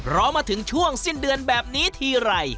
รอมาถึงช่วงสิ้นเดือนแบบนี้ทีไร